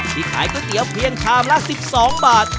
ขายก๋วยเตี๋ยวเพียงชามละ๑๒บาท